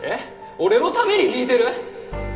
俺のために弾いてる？